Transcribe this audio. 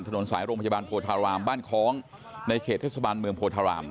ถนนสายโรงพยาบาลโพธารามบ้านคล้องในเขตเทศบาลเมืองโพธาราม